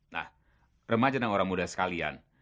nah remajan orang muda sekalian